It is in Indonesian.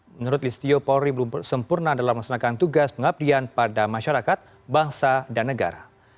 menurut listio polri belum sempurna dalam melaksanakan tugas pengabdian pada masyarakat bangsa dan negara